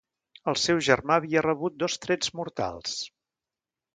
El seu germà havia rebut dos trets mortals.